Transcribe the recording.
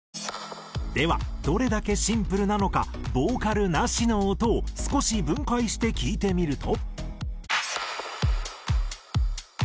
ではどれだけシンプルなのかボーカルなしの音を少し分解して聴いてみると。